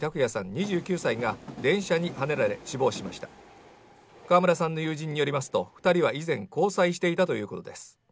２９歳が電車にはねられ死亡しました川村さんの友人によりますと、２人は以前交際していたということです。